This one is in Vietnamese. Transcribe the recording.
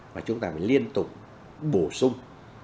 và chúng ta phải liên tục bổ sung